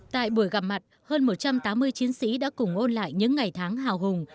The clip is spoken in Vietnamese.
tại buổi gặp mặt hơn một trăm tám mươi chiến sĩ đã cùng ôn lại những ngày tháng hào hùng